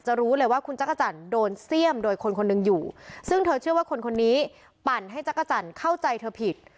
รู้เลยว่าคุณจักรจันทร์โดนเสี่ยมโดยคนคนหนึ่งอยู่ซึ่งเธอเชื่อว่าคนคนนี้ปั่นให้จักรจันทร์เข้าใจเธอผิด